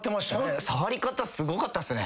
触り方すごかったっすね。